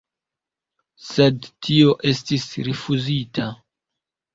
Sed tio estis rifuzita.